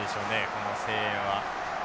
この声援は。